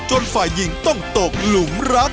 ฝ่ายหญิงต้องตกหลุมรัก